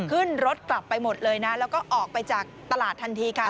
ขึ้นรถกลับไปหมดเลยนะแล้วก็ออกไปจากตลาดทันทีค่ะ